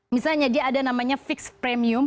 misalnya dia ada namanya fixed premium